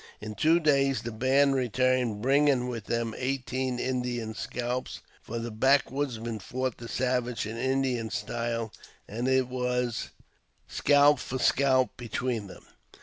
In two days the band returned, bringing with them eighteen Indian scalps ; for the backwoodsman fought the savage in Indian style, and it was scalp for scalp between them.